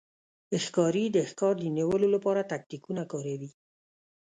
ښکاري د ښکار د نیولو لپاره تاکتیکونه کاروي.